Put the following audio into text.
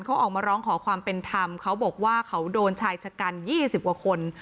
เขาออกมาร้องขอความเป็นธรรมเขาบอกว่าเขาโดนชายชะกัน๒๐กว่าคน